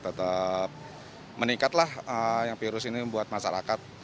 tetap meningkatlah yang virus ini buat masyarakat